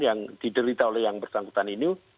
yang diderita oleh yang bersangkutan ini